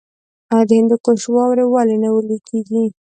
د هندوکش واورې ولې نه ویلی کیږي؟